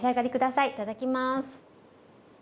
はいいただきます。